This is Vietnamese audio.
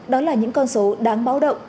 đó là những con số đáng báo động